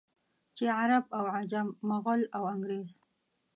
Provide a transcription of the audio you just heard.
چې عرب او عجم، مغل او انګرېز.